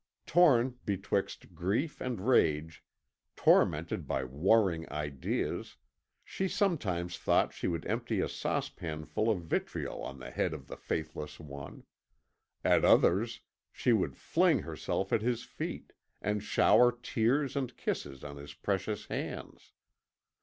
Torn betwixt grief and rage, tormented by warring ideas, she sometimes thought she would empty a saucepanful of vitriol on the head of the faithless one; at others that she would fling herself at his feet, and shower tears and kisses on his precious hands.